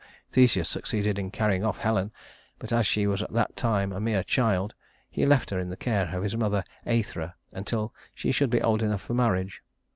Theseus succeeded in carrying off Helen; but as she was at that time a mere child, he left her in the care of his mother Æthra until she should be old enough for marriage.